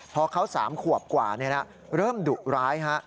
พอเขา๓ขวบกว่าเริ่มดุร้าย